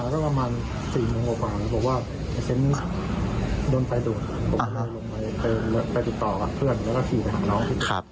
แล้วก็คุยกับของน้อง